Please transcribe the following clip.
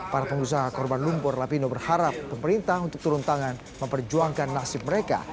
para pengusaha korban lumpur lapindo berharap pemerintah untuk turun tangan memperjuangkan nasib mereka